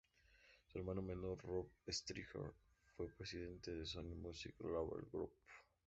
Su hermano menor, Rob Stringer, fue presidente de Sony Music Label Group.